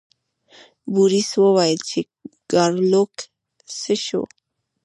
بوریس وویل چې ګارلوک څه شو.